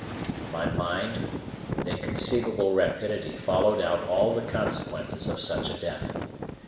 My mind, with inconceivable rapidity followed out all the consequences of such a death.